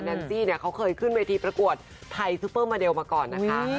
นซี่เนี่ยเขาเคยขึ้นเวทีประกวดไทยซุปเปอร์มาเดลมาก่อนนะคะ